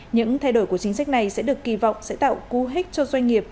những thay đổi của chính sách này sẽ được kỳ vọng sẽ tạo cú hích cho doanh nghiệp